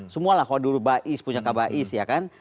semualah kalau dulu baiz punya kbiz ya kan